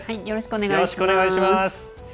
よろしくお願いします。